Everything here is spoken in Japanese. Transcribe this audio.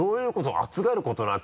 「熱がることなく」